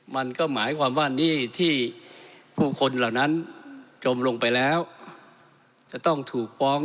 มันก็หมายความว่านี่ที่ผู้คนเหล่านั้นจมลงไปแล้วจะต้องถูกฟ้อง